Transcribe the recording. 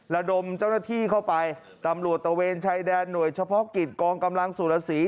ระดมเจ้าหน้าที่เข้าไปตำรวจตะเวนชายแดนหน่วยเฉพาะกิจกองกำลังสุรสี